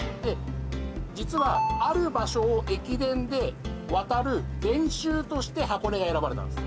実はある場所を駅伝で渡る練習として箱根が選ばれたんです。